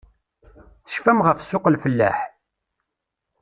Tecfam ɣef ssuq-lfellaḥ?